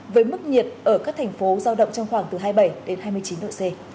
với mức nhiệt ở các thành phố giao động trong khoảng từ hai mươi bảy đến hai mươi chín độ c